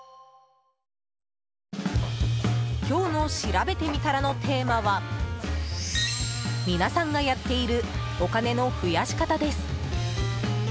今日のしらべてみたらのテーマは皆さんがやっているお金の増やし方です。